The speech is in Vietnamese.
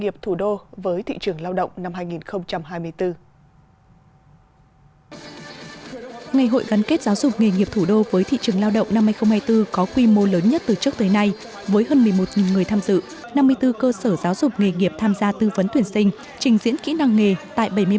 phối hợp tổ chức ngày hội gắn kết